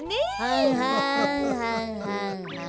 はんはんはんはんはんはん。